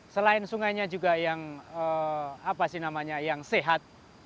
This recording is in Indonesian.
selain sungainya juga yang apa sih namanya yang sehat